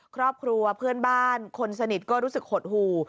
ครอบครัวเพื่อนบ้านคนสนิทก็รู้สึกหดหู่